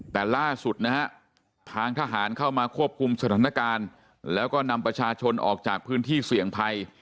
แต่ล่าสุดนะฮะทางทหารเข้ามาควบคุมสถานการณ์แล้วก็นำประชาชนออกจากพื้นที่เสี่ยงภัย